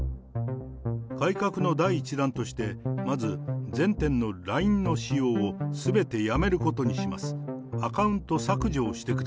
改革の第１弾として、まず全店のＬＩＮＥの使用をすべてやめることにします。